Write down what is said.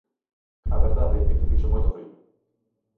A verdade é que fixo moito frío.